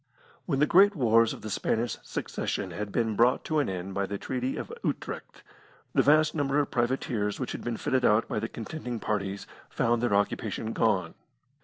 When the great wars of the Spanish Succession had been brought to an end by the Treaty of Utrecht, the vast number of privateers which had been fitted out by the contending parties found their occupation gone.